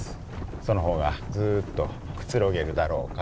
その方がずっとくつろげるだろうからと。